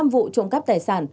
năm vụ trộm cắp tài sản